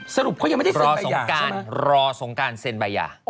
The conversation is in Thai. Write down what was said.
สรุปเขายังไม่ได้เซ็นใบยาใช่ไหมรอสงการเซ็นใบยา